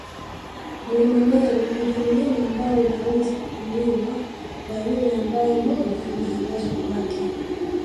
Mlima Meru ndio mlima ambao unaweza kutumiwa kwa yule ambae muda ni kikwazo kwake